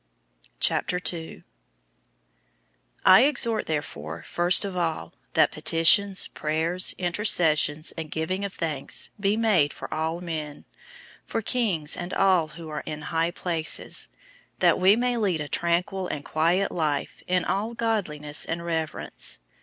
002:001 I exhort therefore, first of all, that petitions, prayers, intercessions, and givings of thanks, be made for all men: 002:002 for kings and all who are in high places; that we may lead a tranquil and quiet life in all godliness and reverence.